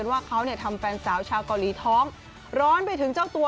ว่าเขาเนี่ยทำแฟนสาวชาวเกาหลีท้องร้อนไปถึงเจ้าตัว